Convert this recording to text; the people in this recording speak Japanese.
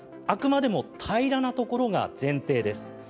あくまでも平らなところが前提です。